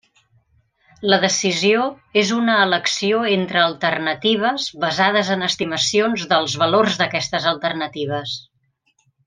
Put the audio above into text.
La decisió és una elecció entre alternatives basades en estimacions dels valors d'aquestes alternatives.